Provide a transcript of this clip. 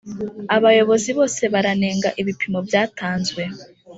Abayobozi bose baranenga ibipimo byatanzwe